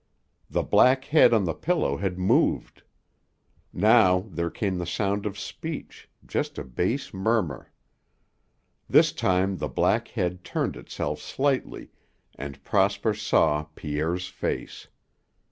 The black head on the pillow had moved. Now there came the sound of speech, just a bass murmur. This time the black head turned itself slightly and Prosper saw Pierre's face.